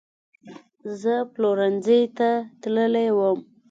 زه پلورنځۍ ته تللې وم